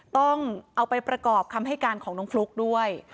ต้องเอาไปประกอบคำให้การของน้องฟลุ๊กด้วย